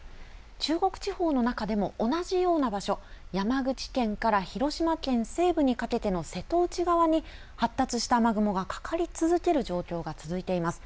中国地方の中でも同じような場所、山口県から広島県西部にかけての瀬戸内側に発達した雨雲がかかり続ける状況が続いています。